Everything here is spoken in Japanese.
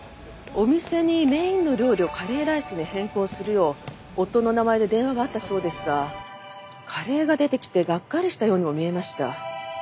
お店にメインの料理をカレーライスに変更するよう夫の名前で電話があったそうですがカレーが出てきてがっかりしたようにも見えました。